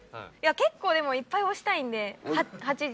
結構でもいっぱい押したいんで。